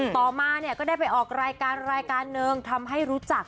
ต่อมาก็ได้ไปออกรายการหนึ่งทำให้รู้จัก